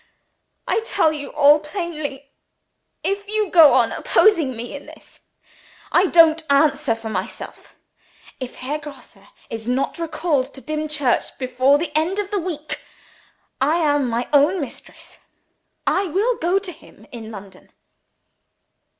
I tell you all plainly, if you go on opposing me in this, I don't answer for myself. If Herr Grosse is not recalled to Dimchurch before the end of the week I am my own mistress; I will go to him in London!"